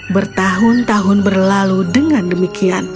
bertahun tahun berlalu dengan demikian